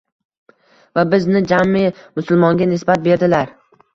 va “biz”ni jami musulmonga nisbat berdilar.